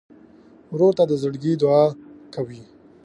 ورور ته د زړګي دعاء کوې.